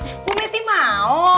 ibu messi mau